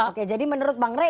oke jadi menurut bang rey